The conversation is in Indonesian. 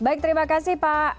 baik terima kasih pak eko juri